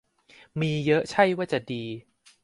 มีเยอะใช่ว่าจะดี